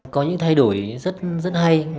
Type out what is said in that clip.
có những thay đổi rất hay